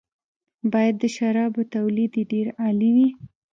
باید د شرابو تولید یې ډېر عالي وي.